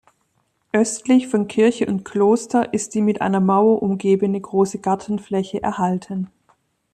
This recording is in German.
Östlich von Kirche und Kloster ist die mit einer Mauer umgebene große Gartenfläche erhalten.